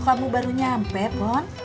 kok kamu baru nyampe pon